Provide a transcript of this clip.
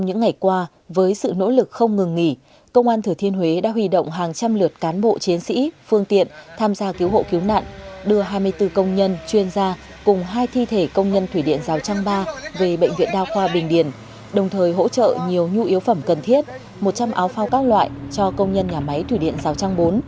những ngày qua với sự nỗ lực không ngừng nghỉ công an thừa thiên huế đã huy động hàng trăm lượt cán bộ chiến sĩ phương tiện tham gia cứu hộ cứu nạn đưa hai mươi bốn công nhân chuyên gia cùng hai thi thể công nhân thủy điện giao trang ba về bệnh viện đao khoa bình điển đồng thời hỗ trợ nhiều nhu yếu phẩm cần thiết một trăm linh áo phao các loại cho công nhân nhà máy thủy điện giao trang bốn